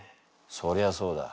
そりゃそうだ。